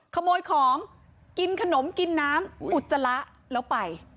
ขโมยของกินขนมกินน้ำอุจจาระแล้วไป